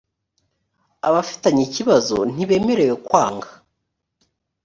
abafitanye ikibazo ntibemerewe kwanga